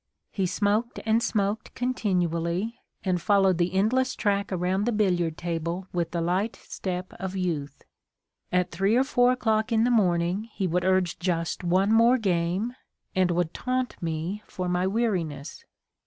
He smoked and smoked continually, and followed the endless track around the billiard table with the light step of youth. At 3 or 4 o'clock in the morning he would urge just one more game, and would taunt me for my weariness.